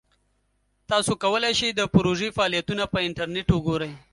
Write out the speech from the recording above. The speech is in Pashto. تاسو کولی شئ د پروژې فعالیتونه په انټرنیټ وګورئ.